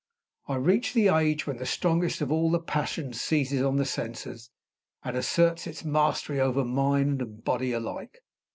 I reached the age when the strongest of all the passions seizes on the senses, and asserts its mastery over mind and body alike.